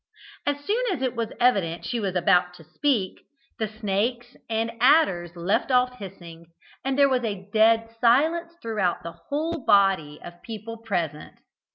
As soon as it was evident she was about to speak, the snakes and adders left off hissing, and there was a dead silence throughout the whole body of people present.